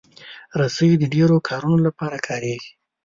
رسۍ د ډیرو کارونو لپاره کارېږي.